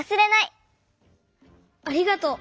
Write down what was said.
ありがとう！